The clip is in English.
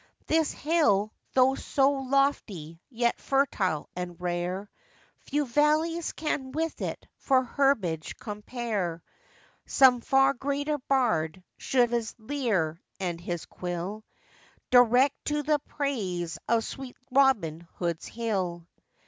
This hill, though so lofty, yet fertile and rare, Few valleys can with it for herbage compare; Some far greater bard should his lyre and his quill Direct to the praise of sweet 'Robin Hood's Hill.